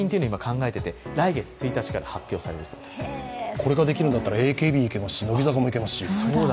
これができるんだったら、ＡＫＢいけますし、乃木坂いけますし。